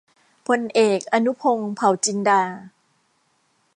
พลเอก อนุพงษ์ เผ่าจินดา